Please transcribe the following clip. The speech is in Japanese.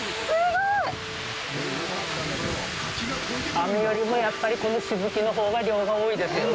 雨よりもやっぱり、このしぶきのほうが量が多いですよね。